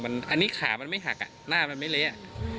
อันนี้ขามันไม่หักหน้ามันไม่เละ